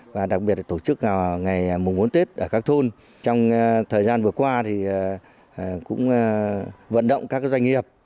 và đặc biệt là tổ chức vào ngày mùng bốn tết ở các thôn trong thời gian vừa qua thì cũng vận động các doanh nghiệp